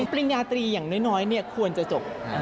บินาทรีอย่างน้อยควรจะจบ